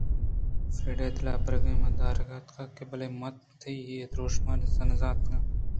فریڈا ءِ دلے برگ من ءَ رد داتگ اَت بلئے من تئی اے درٛوشم نہ زانتگ اَت